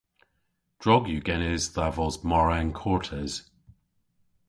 Drog yw genes dha vos mar ankortes.